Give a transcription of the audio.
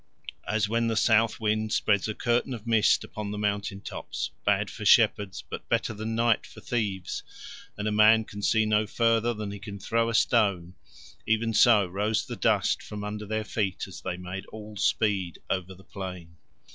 As when the south wind spreads a curtain of mist upon the mountain tops, bad for shepherds but better than night for thieves, and a man can see no further than he can throw a stone, even so rose the dust from under their feet as they made all speed over the plain.